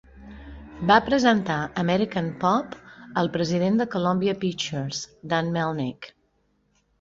Va presentar "American Pop" al president de Columbia Pictures, Dan Melnick.